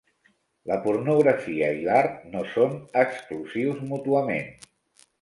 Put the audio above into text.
"La pornografia i l'art no són exclusius mútuament.